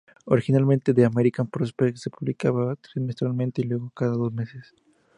Originalmente "The American Prospect" se publicaba trimestralmente y luego cada dos meses.